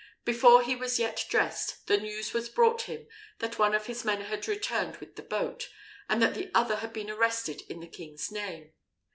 Before he was yet dressed, the news was brought him that one of his men had returned with the boat, and that the other had been arrested in the king's name.